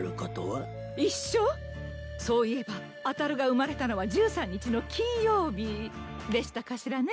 そういえばあたるが生まれたのは１３日の金曜日でしたかしらね？